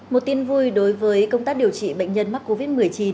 một tin vui đối với công tác điều trị bệnh nhân mắc covid một mươi chín